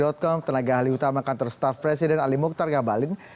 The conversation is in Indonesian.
dari detik com tenaga ahli utama kantor staff presiden ali mukhtar ngabaling